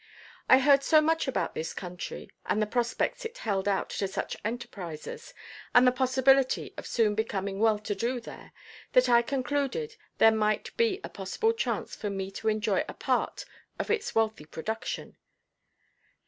I heard so much about this country and the prospects it held out to such enterprisers, and the possibility of soon becoming well to do there that I concluded there might be a possible chance for me to enjoy a part of its wealthy production.